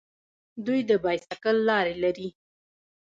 دوی د بایسکل لارې لري.